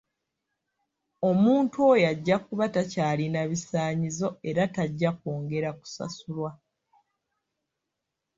Omuntu oyo ajja kuba takyalina bisaanyizo era tajja kwongera kusasulwa.